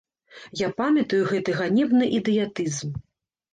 Я памятаю гэты ганебны ідыятызм.